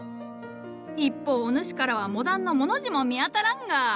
一方お主からはモダンの「モ」の字も見当たらんが。